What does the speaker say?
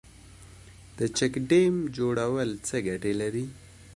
د چک ډیم جوړول څه ګټه لري؟